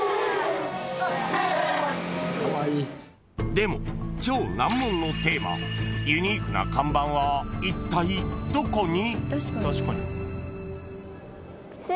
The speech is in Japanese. ［でも超難問のテーマユニークな看板はいったいどこに？］